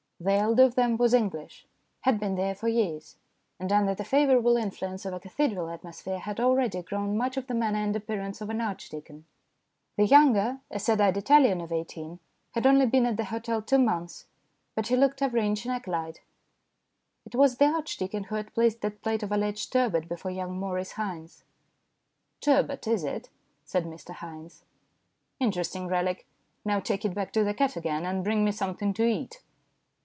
The elder of them was English, had been there for years, and under the favourable influence of a cathedral atmosphere had already grown much of the manner and appearance of an archdeacon. The younger, a sad eyed Italian of eighteen, had only been at the hotel two months, but he looked every inch an acolyte. It was the archdeacon who had placed that plate of alleged turbot before young Maurice Haynes. "Turbot, is it?" said Mr Haynes. " Interesting relic. Now take it back to the cat again, and bring me something to eat."